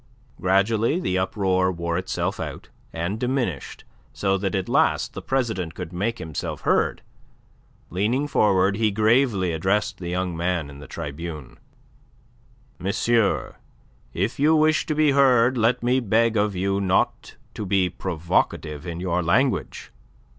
Gradually the uproar wore itself out, and diminished so that at last the President could make himself heard. Leaning forward, he gravely addressed the young man in the tribune: "Monsieur, if you wish to be heard, let me beg of you not to be provocative in your language."